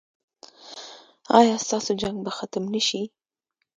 ایا ستاسو جنګ به ختم نه شي؟